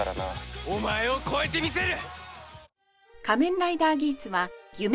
お前を超えてみせる！